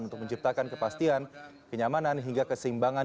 untuk menciptakan kepastian kenyamanan hingga keseimbangan